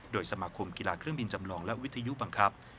โดยสมาคมกีฬาเครื่องบินจำลองและวิทยุบังคับ